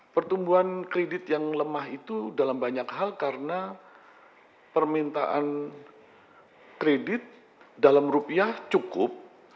pertumbuhan kredit yang lemah itu dalam banyak hal karena permintaan kredit dalam rupiah cukup